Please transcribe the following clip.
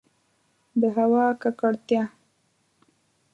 د هوا ککړتیا